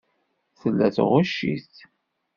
Tella tɣucc-it.